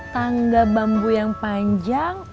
tangga bambu yang panjang